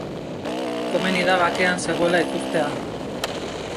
Komeni da bakean zegoela ikustea.